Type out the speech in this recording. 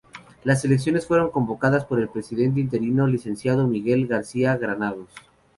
Las elecciones fueron convocadas por el presidente interino, licenciado Miguel García Granados.